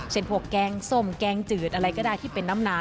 พวกแกงส้มแกงจืดอะไรก็ได้ที่เป็นน้ำนา